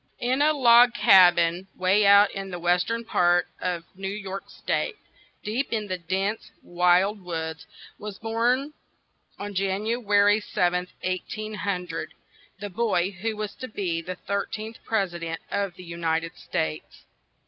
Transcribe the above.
In a log ca bin way out in the western part of New York State, deep in the dense, wild woods, was born, on Jan u a ry 7th, 1800, the boy who was to be the thir teenth pres i dent of the U nit ed States.